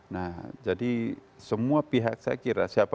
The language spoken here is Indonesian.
nah jadi semua pihak saya kira siapapun juga termasuk pemerintah polisi pihak pihak